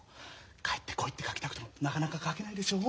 帰ってこいって書きたくてもなかなか書けないでしょう？